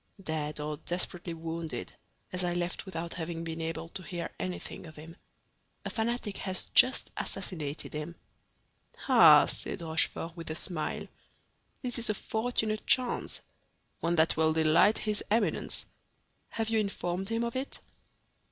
"Dead or desperately wounded, as I left without having been able to hear anything of him. A fanatic has just assassinated him." "Ah," said Rochefort, with a smile; "this is a fortunate chance—one that will delight his Eminence! Have you informed him of it?"